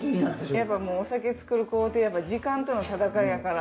やっぱお酒造る工程やっぱ時間との戦いやから。